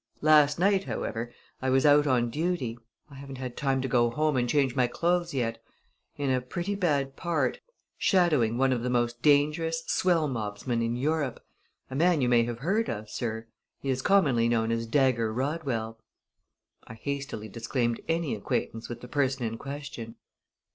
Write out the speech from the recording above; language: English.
Last night, however, I was out on duty I haven't had time to go home and change my clothes yet in a pretty bad part, shadowing one of the most dangerous swell mobsmen in Europe a man you may have heard of, sir. He is commonly known as Dagger Rodwell." I hastily disclaimed any acquaintance with the person in question.